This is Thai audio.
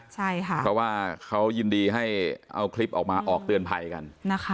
เพราะว่าเขายินดีให้เอาคลิปออกมาออกเตือนภัยกันนะคะ